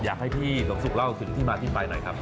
อยากให้พี่สมศุกร์เล่าถึงที่มาที่ไปหน่อยครับ